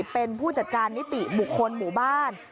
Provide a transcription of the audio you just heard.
เป็นผู้จัดการนิติบุคคลหมู่บ้าน